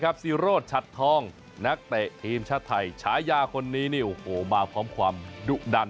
ซีโรธชัดทองนักเตะทีมชาติไทยฉายาคนนี้นี่โอ้โหมาพร้อมความดุดัน